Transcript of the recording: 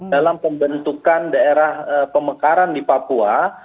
dalam pembentukan daerah pemekaran di papua